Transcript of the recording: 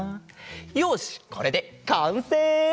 よしこれでかんせい！